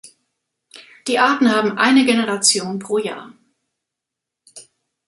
Die Arten haben eine Generation pro Jahr.